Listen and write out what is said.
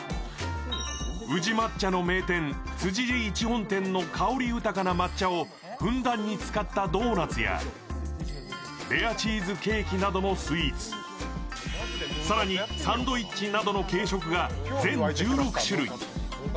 宇治抹茶の名店・辻利一本店の香り豊かな抹茶をふんだんに使ったドーナツやレアチーズケーキなどのスイーツ、更にサンドイッチなどの軽食が全１６種類。